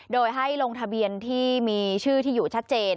โดยให้ลงทะเบียนที่มีชื่อที่อยู่ชัดเจน